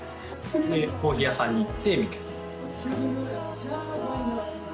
でコーヒー屋さんに行って。